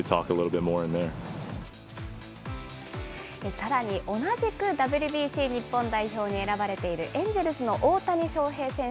さらに、同じくＷＢＣ日本代表に選ばれている、エンジェルスの大谷翔平選手。